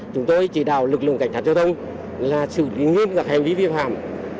chúng tôi chỉ đạo lực lượng cảnh sát giao thông là sự nghiêm ngặt hành vi vi phạm